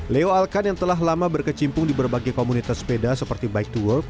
leo alkan yang telah lama berkecimpung di berbagai komunitas sepeda seperti bike to work